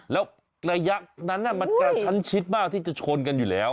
แล้วระยะนั้นมันกระชั้นชิดมากที่จะชนกันอยู่แล้ว